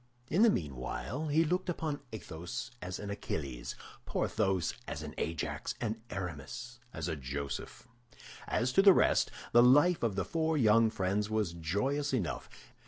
In the meanwhile, he looked upon Athos as an Achilles, Porthos as an Ajax, and Aramis as a Joseph. As to the rest, the life of the four young friends was joyous enough.